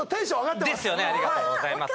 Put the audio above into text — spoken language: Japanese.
ですよねありがとうございます。